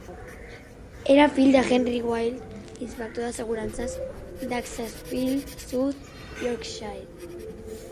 Era fill de Henry Wilde, inspector d'assegurances d'Ecclesfield, South Yorkshire.